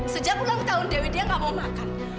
sejak ulang tahun dewi dia nggak mau makan